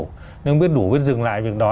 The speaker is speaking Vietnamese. nếu không biết đủ biết dừng lại việc đó